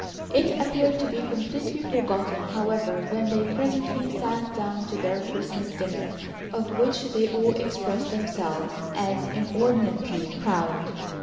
It appeared to be completely forgotten, however, when they presently sat down to their Christmas dinner, of which they all expressed themselves as inordinately proud.